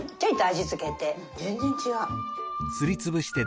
全然違う。